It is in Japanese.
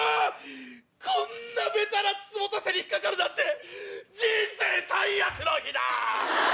こんなベタな美人局に引っ掛かるなんて人生最悪の日だ‼